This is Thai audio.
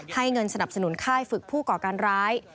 เงินสนับสนุนค่ายฝึกผู้ก่อการร้าย